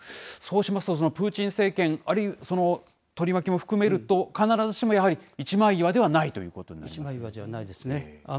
そうしますとプーチン政権、あるいは取り巻きも含めると、必ずしもやはり一枚岩ではないというこ一枚岩ではないですね。